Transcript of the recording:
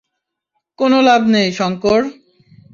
কোন লাভ নেই, শঙ্কর।